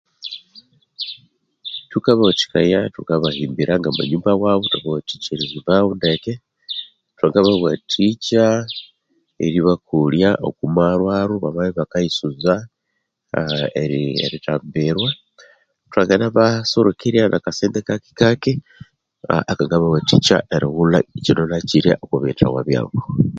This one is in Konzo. Thukabawathikaya thukabahimbira ngamanyumba wabu, ithwa bawathikya eri himbawo ndeke , thwanga bawathikya eri bakolya oku marwaru bamabya iba kayisunza aa eri erithambirwa, thwangina basorokerya naka sente kake-kake akanga bawathikya erighulha kino na kyira oku biyithawa byabu